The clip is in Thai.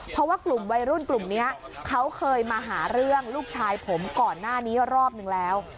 เพราะว่ากลุ่มวัยรุ่นกลุ่มนี้เขาเคยมาหาเรื่องลูกชายผมก่อนหน้านี้รอบนึงแล้ว